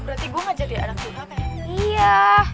berarti gue nggak jadi anak burhaka ya